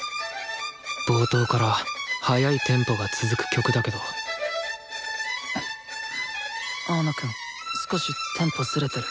冒頭から速いテンポが続く曲だけど青野くん少しテンポズレてる。